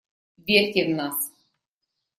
Верьте в нас.